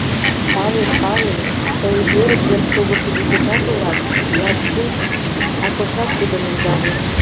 — Палем, палем, тый эрык верч шогышо депутат улат, Лацци, — Акошат тудым ӧндале.